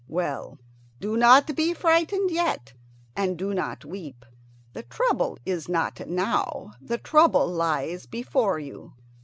Well, do not be frightened yet, and do not weep. The trouble is not now; the trouble lies before you.